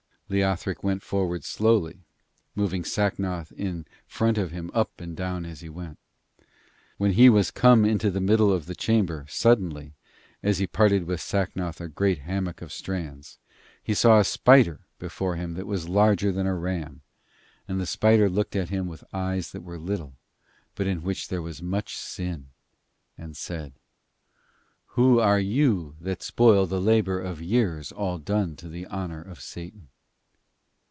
Leothric went forward slowly, moving Sacnoth in front of him up and down as he went. When he was come into the middle of the chamber, suddenly, as he parted with Sacnoth a great hammock of strands, he saw a spider before him that was larger than a ram, and the spider looked at him with eyes that were little, but in which there was much sin, and said: 'Who are you that spoil the labour of years all done to the honour of Satan?'